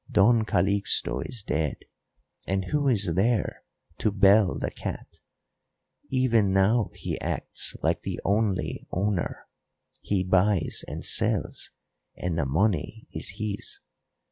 Don Calixto is dead, and who is there to bell the cat? Even now he acts like the only owner; he buys and sells and the money is his.